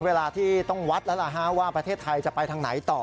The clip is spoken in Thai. เวลาที่ต้องวัดแล้วว่าประเทศไทยจะไปทางไหนต่อ